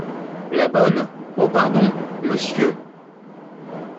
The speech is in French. La Bonne. — Oh ! pardon, Monsieur !